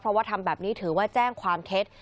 เพราะว่าทำแบบนี้ถือว่าแจ้งความเท็จ